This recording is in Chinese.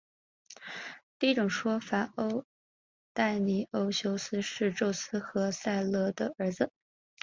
第一种说法戴欧尼修斯是宙斯和塞墨勒的儿子。